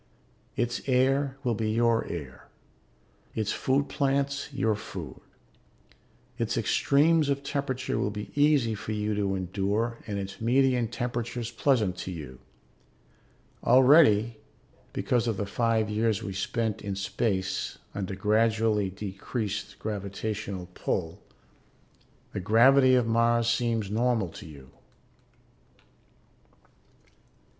Its air will be your air; its food plants your food. Its extremes of temperature will be easy for you to endure and its median temperatures pleasant to you. Already, because of the five years we spent in space under gradually decreased gravitational pull, the gravity of Mars seems normal to you.